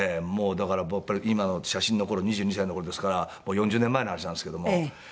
だから今の写真の頃２２歳の頃ですから４０年前の話なんですけども。